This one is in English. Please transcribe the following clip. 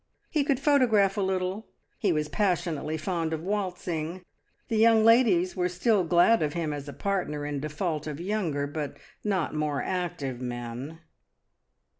He could photograph a little; he was passionately fond of waltzing, the young ladies were still glad of him as a partner in default of younger but not more active men.